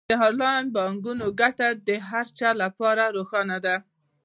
د انلاین بانکوالۍ ګټې د هر چا لپاره روښانه دي.